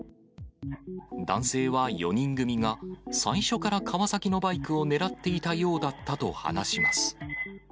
男性は４人組が、最初からカワサキのバイクを狙っていたようだったと話します。